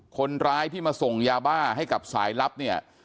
คนร้ายที่มาส่งยาบ้าให้กับสายลับเนี่ย